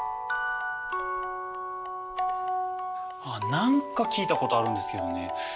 あっ何か聴いたことあるんですけどね